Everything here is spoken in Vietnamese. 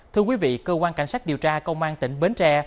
thưa quý vị cơ quan cảnh sát điều tra công an tỉnh bến tre